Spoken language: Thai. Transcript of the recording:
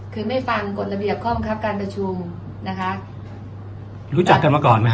กฎระเบียบค่อมคัปการประชูมนะคะรู้จักกันมาก่อนไหม